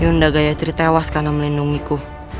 nyunda gayatri tewas karena melindungiku